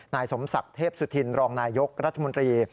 นายสมศักดิ์เทพสุธินรองนายยกรัฐมนตรี